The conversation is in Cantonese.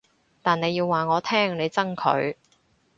但你要話我聽你憎佢